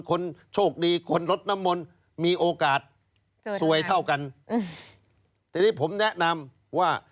คนโชคดีคนรถน้ำมนต์มีโอกาสสวยเท่ากันอืมทีนี้ผมแนะนำว่า